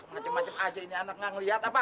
macem macem aja ini anak gak ngeliat apa